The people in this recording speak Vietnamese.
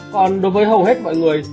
còn đối với hầu hết mọi người